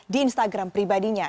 di instagram pribadinya